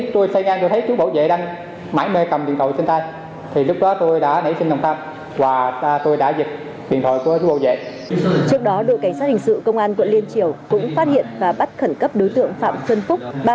trước đó đội cảnh sát hình sự công an quận liên triều cũng phát hiện và bắt khẩn cấp đối tượng phạm xuân phúc